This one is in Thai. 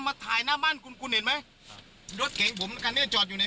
มันด่าหน้าบ้านผมมันไม่ใช่หน้าบ้านเขานะ